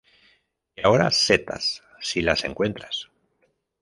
Y ahora setas si las encuentras.